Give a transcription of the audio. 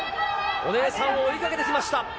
お姉さんを追いかけてきました。